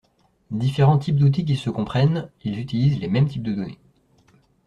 divers types d'outils qui se comprennent : ils utilisent les mêmes types de données.